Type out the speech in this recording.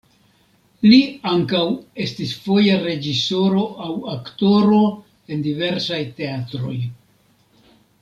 Li ankaŭ estis foje reĝisoro aŭ aktoro en diversaj teatroj.